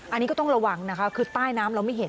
อันนี้ก็ต้องระวังนะคะคือใต้น้ำเราไม่เห็น